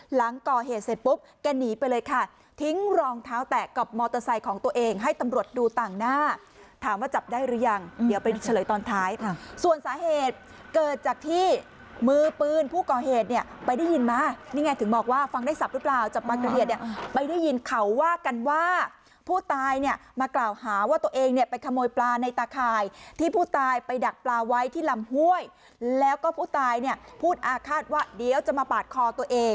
หลังก่อเหตุเสร็จปุ๊บก็หนีไปเลยค่ะทิ้งรองเท้าแตกกับมอเตอร์ไซค์ของตัวเองให้ตำรวจดูต่างหน้าถามว่าจับได้หรือยังเดี๋ยวไปเฉลยตอนท้ายส่วนสาเหตุเกิดจากที่มือปืนผู้ก่อเหตุเนี่ยไปได้ยินมานี่ไงถึงบอกว่าฟังได้สับหรือเปล่าจับปากกระเทียดเนี่ยไปได้ยินเขาว่ากันว่าผู้ตายเนี่ยมากล